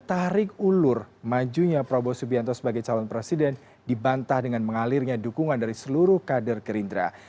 tarik ulur majunya prabowo subianto sebagai calon presiden dibantah dengan mengalirnya dukungan dari seluruh kader gerindra